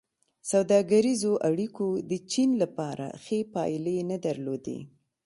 سوداګریزو اړیکو د چین لپاره ښې پایلې نه درلودې.